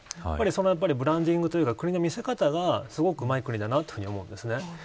そのブランディングというか国の見せ方がうまい国だなと思いますね。